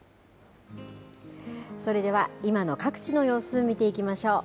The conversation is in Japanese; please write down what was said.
それでは、今の各地の様子見ていきましょう。